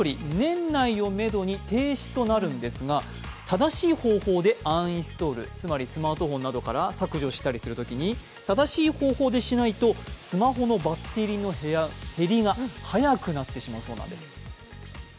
正しい方法でアンインストール、つまりスマートフォンなどから削除したりするときに、正しい方法でしないとスマホのバッテリーの減りが早くなってしまうそうなんです。